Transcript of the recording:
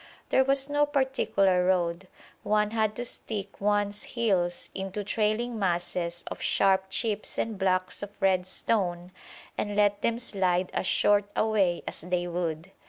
There was no particular road: one had to stick one's heels into trailing masses of sharp chips and blocks of red stone and let them slide as short a way as they would.